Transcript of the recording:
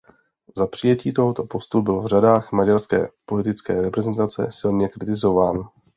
Za přijetí tohoto postu byl v řadách maďarské politické reprezentace silně kritizován.